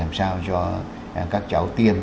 làm sao cho các cháu tiêm